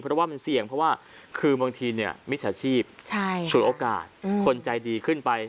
เพราะว่ามันเสี่ยงเพราะว่าคือบางทีมิจฉาชีพฉวยโอกาสคนใจดีขึ้นไป